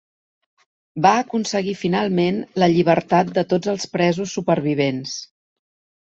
Va aconseguir finalment la llibertat de tots els presos supervivents.